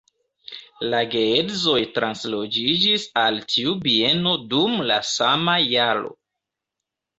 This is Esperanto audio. La geedzoj transloĝiĝis al tiu bieno dum la sama jaro.